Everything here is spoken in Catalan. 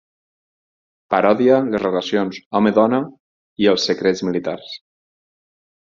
Parodia les relacions home-dona i els secrets militars.